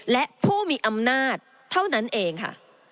และผู้มีอำนาจเท่านั้นเองค่ะ